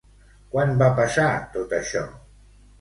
Quan va passar tot això?